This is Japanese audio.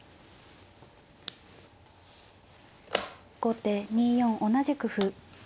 後手２四同じく歩。